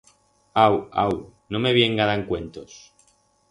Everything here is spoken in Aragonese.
Au, au, no me vienga dan cuentos.